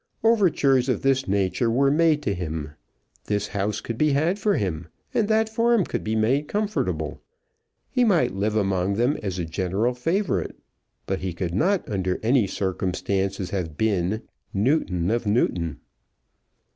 Overtures of this nature were made to him. This house could be had for him, and that farm could be made comfortable. He might live among them as a general favourite; but he could not under any circumstances have been, Newton of Newton.